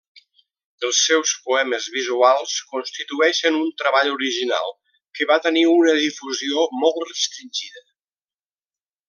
Els seus poemes visuals constitueixen un treball original que va tenir una difusió molt restringida.